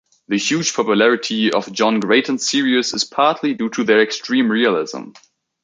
The huge popularity of Jean Graton's series is partly due to their extreme realism.